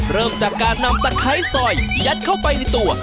เริ่มจากการนำตะไคร้ซอยยัดเข้าไปในตัว